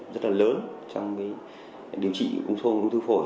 rất là lớn trong điều trị ung thư phổi